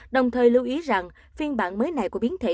đồng thời lưu ý rằng phiên bản mới này của biến thể